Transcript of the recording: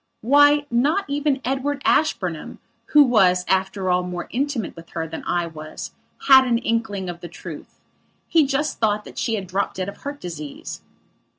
Why, not even Edward Ashburnham, who was, after all more intimate with her than I was, had an inkling of the truth. He just thought that she had dropped dead of heart disease.